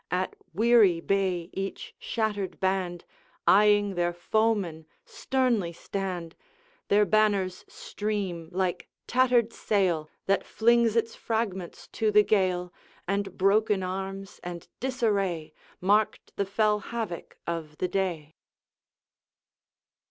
At weary bay each shattered band, Eying their foemen, sternly stand; Their banners stream like tattered sail, That flings its fragments to the gale, And broken arms and disarray Marked the fell havoc of the day.